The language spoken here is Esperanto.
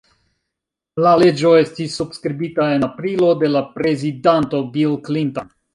La leĝo estis subskribita en aprilo de la prezidanto Bill Clinton.